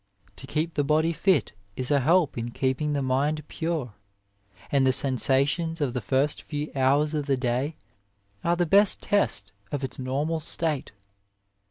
To keep the body fit is a help in keeping the mind pure, and the sensations of the first few hours of the day are the best test of its normal state.